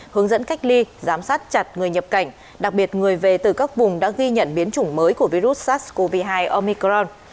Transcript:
hướng dẫn cách ly giám sát chặt người nhập cảnh đặc biệt người về từ các vùng đã ghi nhận biến chủng mới của virus sars cov hai omicron